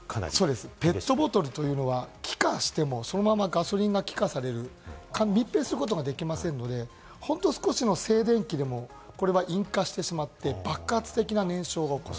ペットボトルというのは気化しても、そのままガソリンが気化される、密閉することができませんので、ほんの少しの静電気でも引火してしまって、爆発的な燃焼が起こる。